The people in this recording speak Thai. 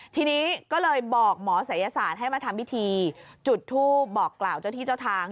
ทีนี้ก็เลยบอกหมอศัยศาสตร์ให้มาทำพิธีจุดทูปบอกกล่าวเจ้าที่เจ้าทาง